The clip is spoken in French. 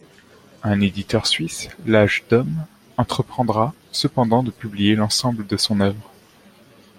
Un éditeur suisse, L'Âge d'Homme, entreprendra cependant de publier l'ensemble de son œuvre.